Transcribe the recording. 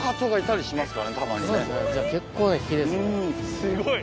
すごい。